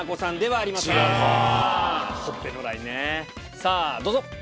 さぁどうぞ。